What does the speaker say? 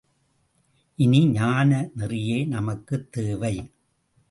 இனி, ஞான நெறியே நமக்குத் தேவை.